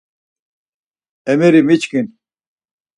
Emeri miçkin.